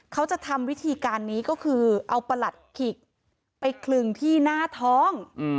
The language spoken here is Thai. เขาจะทำวิธีการนี้ก็คือเอาประหลัดขิกไปคลึงที่หน้าท้อง